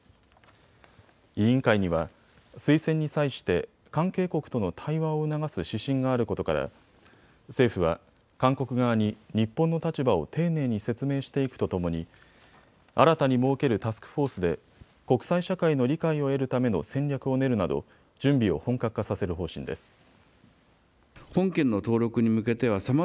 委員会には推薦に際して関係国との対話を促す指針があることから政府は韓国側に日本の立場を丁寧に説明していくとともに新たに設けるタスクフォースで国際社会の理解を得るための戦略を練るなど準備を本格化させる方針です。